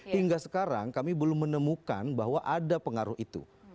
hingga sekarang kami belum menemukan bahwa ada pengaruh itu